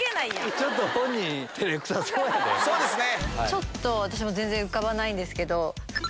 ちょっと私も全然浮かばないですけど。